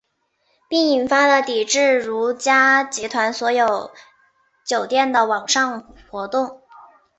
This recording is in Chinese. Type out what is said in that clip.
并引发了抵制如家集团所有酒店的网上活动。